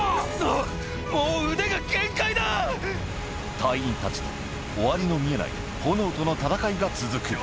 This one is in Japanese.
隊員たちの終わりの見えない炎との闘いが続く